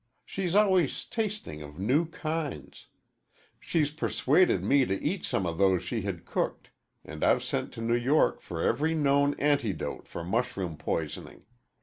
She's always tasting of new kinds. She's persuaded me to eat some of those she had cooked, and I've sent to New York for every known antidote for mushroom poisoning.